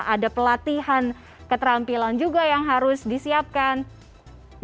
ada pelatihan keterampilan juga yang harus disiapkan